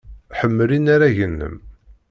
Ḥemmel inaragen-nnem.